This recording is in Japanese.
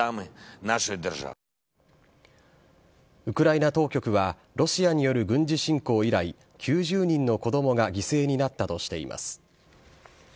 ウクライナ当局はロシアによる軍事侵攻以来９０人の子どもが犠牲になったとしています。